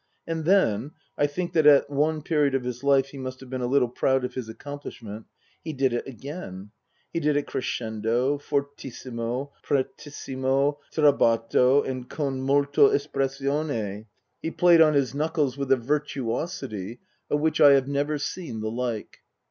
And then I think that at one period of his life he must have been a little proud of his accomplishment he did it again. He did it crescendo, fortissimo, pres tissimo, strabato and con molto espressione ; he played 206 Tasker Jevons on his knuckles with a virtuosity of which I have never seen the like.